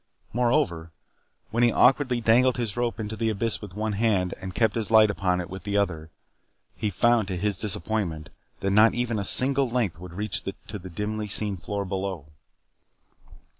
Moreover, when he awkwardly dangled his rope into the abyss with one hand, and kept his light upon it with the other, he found to his disappointment that not even a single length would reach to the dimly seen floor below.